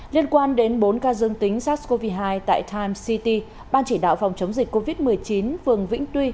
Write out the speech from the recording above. liên quan đến bốn ca dương tính sars cov hai tại times city ban chỉ đạo phòng chống dịch covid một mươi chín phường vĩnh tuy